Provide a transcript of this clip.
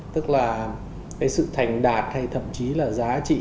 tức là cái sự thành đạt hay thậm chí là giá trị